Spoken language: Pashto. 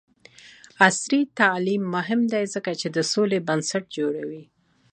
عصري تعلیم مهم دی ځکه چې د سولې بنسټ جوړوي.